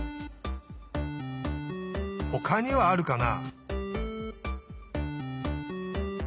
ほかにはあるかな？